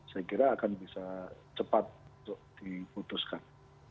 saya kira akan bisa cepat diputuskan